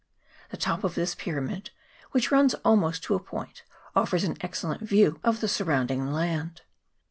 The top of this pyramid, which runs almost to a point, offers an excellent view of the sur rounding land.